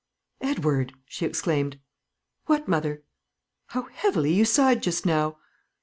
"Edward!" she exclaimed. "What, mother?" "How heavily you sighed just now!"